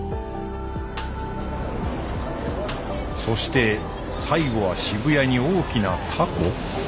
そして最後は渋谷に大きなタコ？